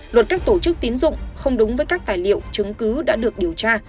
luật các tổ chức tín dụng không đúng với các tài liệu chứng cứ đã được điều tra